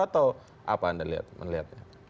atau apa anda melihatnya